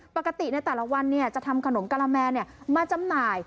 ปกติในแต่ละวันจะทำขนมกะละแมมาจำหน่าย